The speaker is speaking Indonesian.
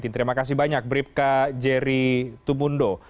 terima kasih banyak bribka jerry tumundo